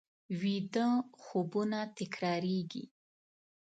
ویده خوبونه تکرارېږي